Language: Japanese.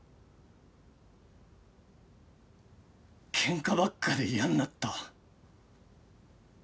ケンカばっかで嫌んなった。